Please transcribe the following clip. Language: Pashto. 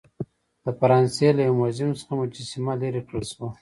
د فرانسې له یو موزیم څخه مجسمه لیرې کړل شوه.